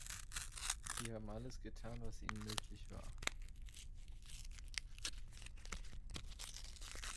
Sie haben alles getan, was ihnen möglich war.